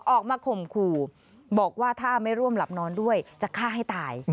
ข่มขู่บอกว่าถ้าไม่ร่วมหลับนอนด้วยจะฆ่าให้ตาย